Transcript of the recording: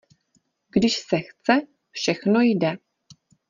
Když se chce, všechno jde.